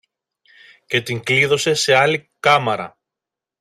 και την κλείδωσε σε άλλη κάμαρα.